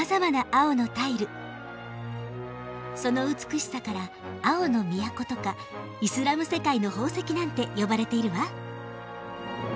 その美しさから「青の都」とか「イスラム世界の宝石」なんて呼ばれているわ。